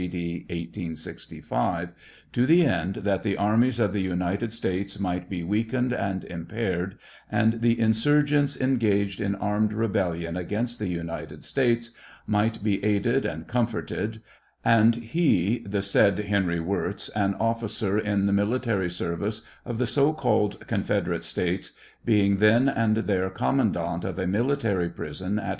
D. 1865, to the end that the armies of the United States might be weakened and impaired, and the insurgents engaged in armed rebellion against the United States might be aided and comforted ; and he the said Henry Wirz, an officer in the military service of the so called Confederate States, being then and there commandant of a military prison at 806 TRIAL OF HENKY WIRZ.